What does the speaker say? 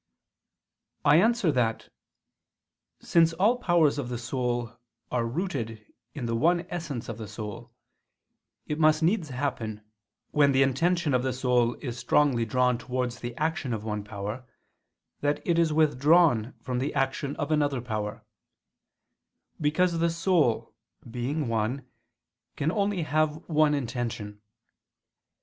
I answer that, Since all the powers of the soul are rooted in the one essence of the soul, it must needs happen, when the intention of the soul is strongly drawn towards the action of one power, that it is withdrawn from the action of another power: because the soul, being one, can only have one intention.